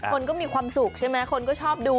คนก็มีความสุขใช่ไหมคนก็ชอบดู